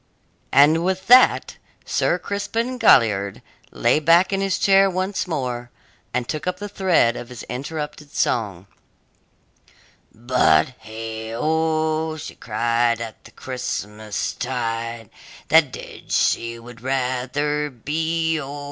And with that Sir Crispin Galliard lay back in his chair once more, and took up the thread of his interrupted song But, heigh o! she cried, at the Christmas tide, That dead she would rather be O!